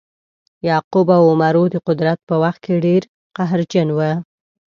یعقوب او عمرو د قدرت په وخت کې ډیر قهرجن وه.